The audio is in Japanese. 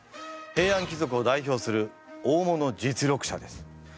平安貴族を代表する大物実力者です。